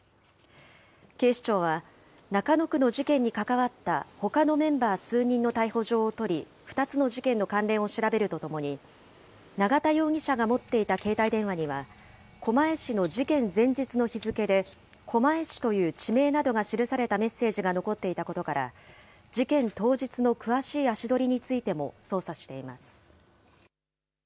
警視庁は、中野区の事件に関わったほかのメンバー数人の逮捕状を取り、２つの事件の関連を調べるとともに、永田容疑者が持っていた携帯電話には、狛江市の事件前日の日付で、狛江市という地名などが記されたメッセージが残っていたことから、事件当日の詳しい足取りについても捜査しています。